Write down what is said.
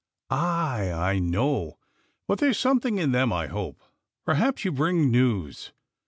"Aye, I know, but there's something in them, I hope. Perhaps you bring news.